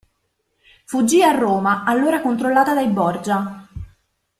Fuggì a Roma, allora controllata dai Borgia.